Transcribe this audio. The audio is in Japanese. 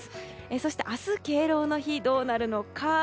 そして明日の敬老の日はどうなるのか。